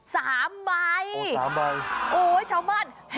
สามใบโอ้โฮชาวบ้านเฮ่